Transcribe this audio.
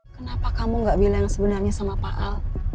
kenapa kamu gak bilang sebenarnya sama pak al